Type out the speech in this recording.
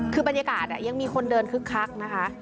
คือบรรยากาศยังมีคนเดินคึกคักนะคะ